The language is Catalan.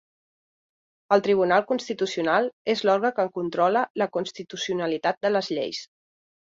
El Tribunal Constitucional és l'òrgan que controla la constitucionalitat de les lleis.